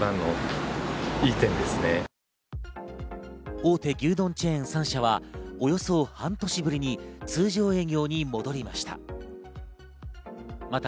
大手牛丼チェーン３社はおよそ半年ぶりに通常営業に戻りました。